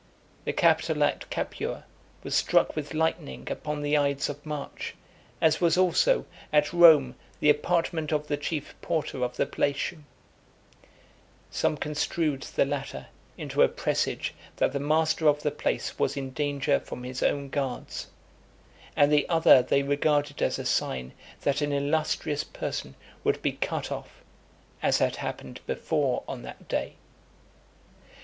The Capitol at Capua was (290) struck with lightning upon the ides of March [15th March] as was also, at Rome, the apartment of the chief porter of the Palatium. Some construed the latter into a presage that the master of the place was in danger from his own guards; and the other they regarded as a sign, that an illustrious person would be cut off, as had happened before on that day.